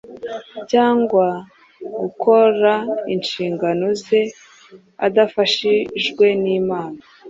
cyangwa gukora inshingano ze adafashijwe n’Imana.